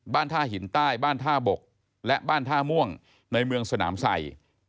ท่าหินใต้บ้านท่าบกและบ้านท่าม่วงในเมืองสนามใส่